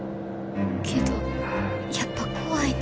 けどやっぱ怖いな。